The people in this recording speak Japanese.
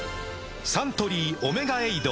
サントリー「オメガエイド」